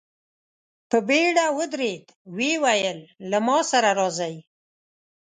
په بېړه ودرېد، ويې ويل: له ما سره راځئ!